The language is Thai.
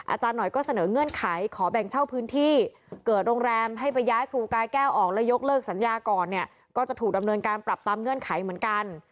อาจารย์หน่อยก็เสนอเงื่อนไขขอแบ่งเช่าพื้นที่เกิดโรงแรมให้ไปย้ายครูกายแก้วออกแล้วยกเลิกสัญญาก่อนเนี่ยก็จะถูกดำเนินการปรับตามเงื่อนไขเหมือนกัน